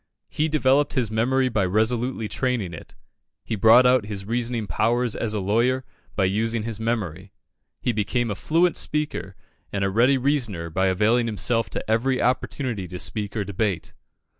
He developed his memory by resolutely training it he brought out his reasoning powers as a lawyer by using his memory he became a fluent speaker and a ready reasoner by availing himself of every opportunity to speak or debate.